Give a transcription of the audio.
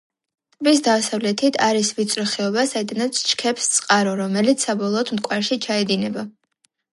ტბის დასავლეთით არის ვიწრო ხეობა, საიდანაც ჩქეფს წყარო, რომელიც საბოლოოდ მტკვარში ჩაედინება.